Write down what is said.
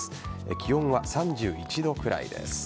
気温は３１度くらいです。